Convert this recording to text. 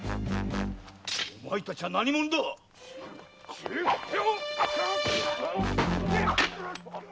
お前たちは何者だ⁉退け！